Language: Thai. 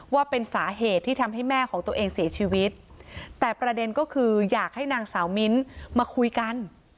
ว่าเป็นสาเหตุที่ทำให้แม่ของตัวเองเสียชีวิตแต่ประเด็นก็คืออยากให้นางสาวมิ้นมาคุยกัน